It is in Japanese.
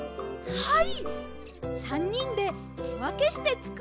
はい！